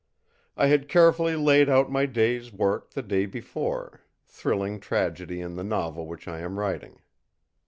I had carefully laid out my day's work the day before thrilling tragedy in the novel which I am writing.